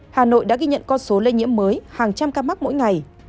hà nội đã ghi nhận con số lây nhiễm mới hàng trăm ca mắc mỗi ngày